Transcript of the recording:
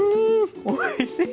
おいしい。